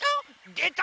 でた！